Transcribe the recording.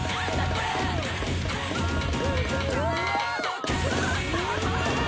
これうわっ！